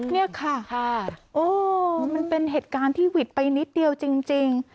นี่ค่ะโอ้มันเป็นเหตุการณ์ที่หวิดไปนิดเดียวจริง